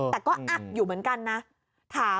แต่ก็อักอยู่เหมือนกันนะ